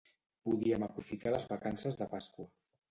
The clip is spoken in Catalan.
Podíem aprofitar les vacances de Pasqua.